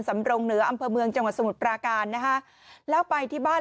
สำรงเหนืออำเภอเมืองจังหวัดสมุทรปราการนะคะแล้วไปที่บ้าน